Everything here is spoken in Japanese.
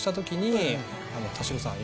「田代さん